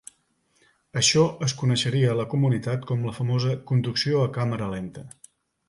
Això es coneixeria a la comunitat com la famosa "conducció a càmera lenta".